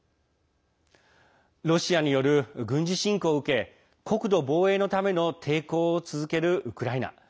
ロシアによる軍事侵攻を受け国土防衛のための抵抗を続けるウクライナ。